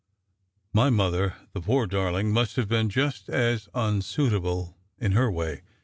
My mother, the poor darling, must have been just as un suitable in her way.